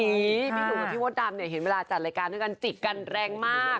พี่หนุ่มกับพี่มดดำเนี่ยเห็นเวลาจัดรายการด้วยกันจิกกันแรงมาก